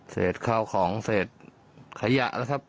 เสร็จข้าวของเศษขยะนะครับ